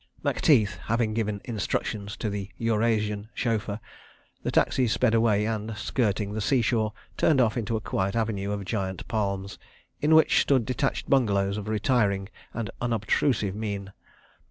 ...... Macteith having given instructions to the Eurasian chauffeur, the taxi sped away and, skirting the sea shore, turned off into a quiet avenue of giant palms, in which stood detached bungalows of retiring and unobtrusive mien.